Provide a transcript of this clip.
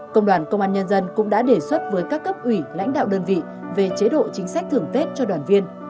công đoàn công an nhân dân cũng đã đề xuất với các cấp ủy lãnh đạo đơn vị về chế độ chính sách thưởng tết cho đoàn viên